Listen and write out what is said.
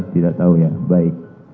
tidak tahu ya baik